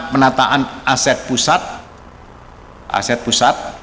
penataan aset pusat